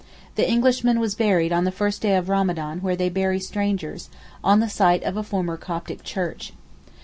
The Englishman was buried on the first day of Ramadan where they bury strangers, on the site of a former Coptic church.